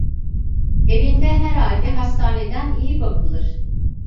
Evinde herhalde hastaneden iyi bakılır!